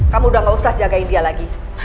kamu udah gak usah jagain dia lagi